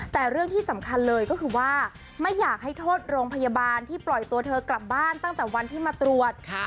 แต่เรื่องที่สำคัญเลยก็คือว่าไม่อยากให้โทษโรงพยาบาลที่ปล่อยตัวเธอกลับบ้านตั้งแต่วันที่มาตรวจ